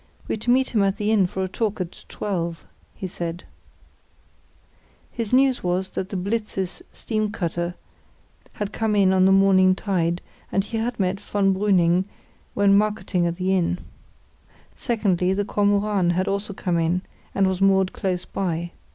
"We're to meet him at the inn for a talk at twelve," he said. His news was that the Blitz's steam cutter had come in on the morning tide, and he had met von Brüning when marketing at the inn. Secondly, the Kormoran had also come in, and was moored close by.